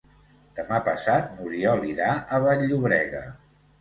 Demà passat n'Oriol irà a Vall-llobrega.